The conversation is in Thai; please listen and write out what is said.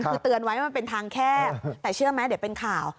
คือเตือนไว้มันเป็นทางแคบแต่เชื่อไหมเดี๋ยวเป็นข่าว